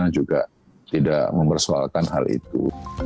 juga tidak mempersoalkan hal itu